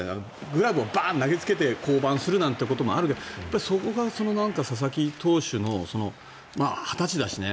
グラブをバーンと投げつけて降板するなんてこともあるけどそこが佐々木投手の２０歳だしね。